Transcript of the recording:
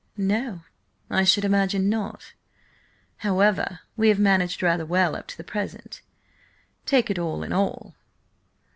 "No, I should imagine not. However, we have managed rather well up to the present, take it all in all."